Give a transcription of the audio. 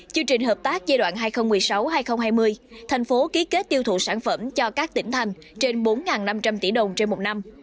chương trình hợp tác giai đoạn hai nghìn một mươi sáu hai nghìn hai mươi thành phố ký kết tiêu thụ sản phẩm cho các tỉnh thành trên bốn năm trăm linh tỷ đồng trên một năm